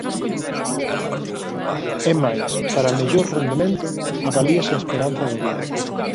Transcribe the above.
É máis, para mellor rendemento, avalíase a esperanza de vida.